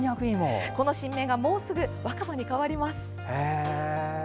この新芽がもうすぐ若葉に変わります。